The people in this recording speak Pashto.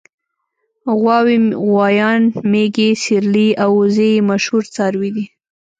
غواوې غوایان مېږې سېرلي او وزې یې مشهور څاروي دي.